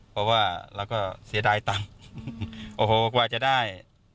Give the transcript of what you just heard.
เพราะว่าเราก็เสียดายตังค์โอ้โหกว่าจะได้